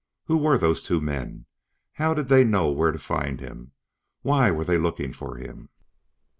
Who were those two men? How did they know where to find him? Why were they looking for him?